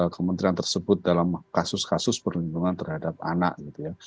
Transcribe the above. kementerian tersebut dalam kasus kasus perlindungan terhadap anak gitu ya